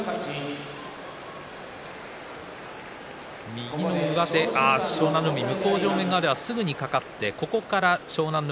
右の上手、湘南乃海向正面側では、すぐにかかってそこから湘南乃